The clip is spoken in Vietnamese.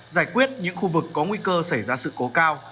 giải quyết những khu vực có nguy cơ xảy ra sự cố cao